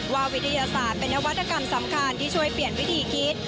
วิทยาศาสตร์เป็นนวัตกรรมสำคัญที่ช่วยเปลี่ยนวิธีคิด